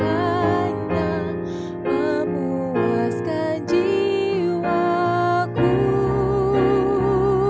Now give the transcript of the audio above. penghiburan dalam susah karena yesus sertaku